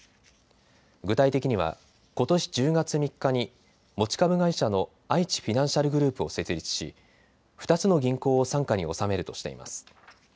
具体的には、ことし１０月３日に持ち株会社のあいちフィナンシャルグループを設立し２つの銀行を傘下に収めるとしています。